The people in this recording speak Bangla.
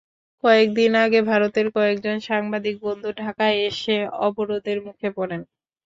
কয়েক দিন আগে ভারতের কয়েকজন সাংবাদিক বন্ধু ঢাকায় এসে অবরোধের মুখে পড়েন।